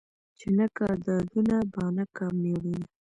ـ چې نه کا دادونه بانه کا مېړونه.